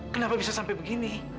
kenapa bisa sampai begini